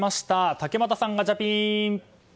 竹俣さん、ガチャピン。